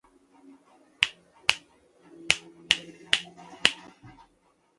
北京爷，就是爷！